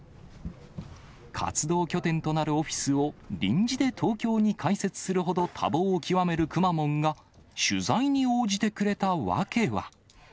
活動拠点となるオフィスを臨時で東京に開設するほど、多忙を極めるくまモンが、取材に応じてくれた訳は。